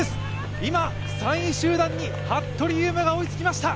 今３位集団に服部勇馬が追いつきました。